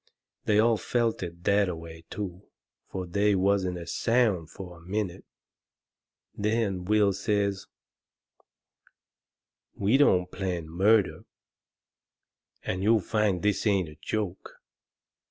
They all felt it that a way, too; fur they wasn't a sound fur a minute. Then Will says: "We don't plan murder, and you'll find this ain't a joke.